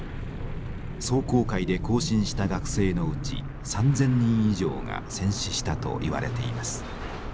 壮行会で行進した学生のうち３，０００人以上が戦死したといわれています。